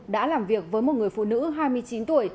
đã làm việc với một người phụ nữ hai mươi chín tuổi